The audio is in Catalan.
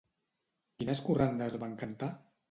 Quines corrandes van cantar?